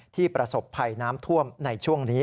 ประสบภัยน้ำท่วมในช่วงนี้